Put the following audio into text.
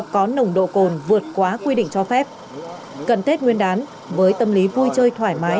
có nồng độ cồn vượt quá quy định cho phép cận tết nguyên đán với tâm lý vui chơi thoải mái